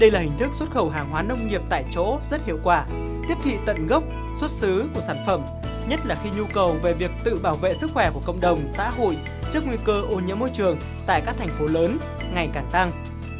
đây là hình thức xuất khẩu hàng hóa nông nghiệp tại chỗ rất hiệu quả tiếp thị tận gốc xuất xứ của sản phẩm nhất là khi nhu cầu về việc tự bảo vệ sức khỏe của cộng đồng xã hội trước nguy cơ ô nhiễm môi trường tại các thành phố lớn ngày càng tăng